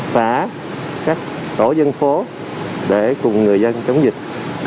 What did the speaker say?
xã các tổ dân phố để cùng người dân chống dịch